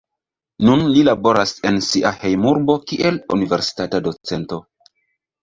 Nun li laboras en sia hejmurbo kiel universitata docento.